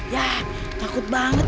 yah takut banget